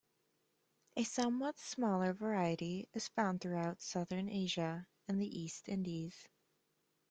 A somewhat smaller variety is found throughout southern Asia and the East Indies.